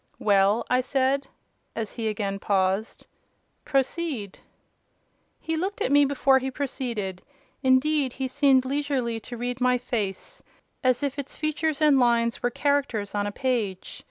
"Well?" I said, as he again paused—"proceed." He looked at me before he proceeded: indeed, he seemed leisurely to read my face, as if its features and lines were characters on a page.